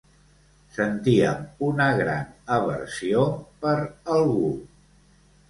Sentíem una gran aversió per algú.